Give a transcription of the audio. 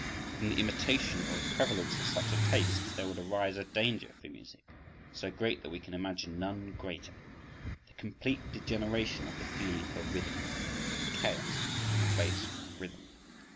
From the imitation or the prevalence of such a taste there would arise a danger for music—so great that we can imagine none greater—the complete degeneration of the feeling for rhythm, chaos in the place of rhythm.